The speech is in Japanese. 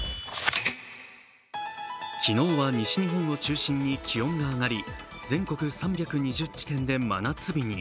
昨日は西日本を中心に気温が上がり全国３２０地点で真夏日に。